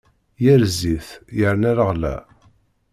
Yir zzit, yerna leɣla.